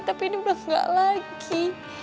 tapi ini udah gak lagi